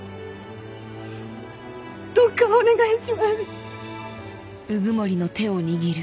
どうかお願いします。